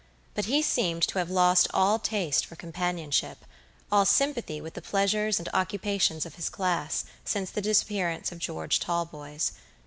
But he seemed to have lost all taste for companionship, all sympathy with the pleasures and occupations of his class, since the disappearance of George Talboys.